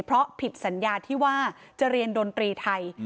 เพราะผิดสัญญาที่ว่าจะเรียนดนตรีไทย